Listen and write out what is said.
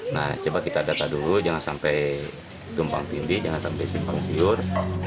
nah coba kita data dulu jangan sampai tumpang tindih jangan sampai simpang siur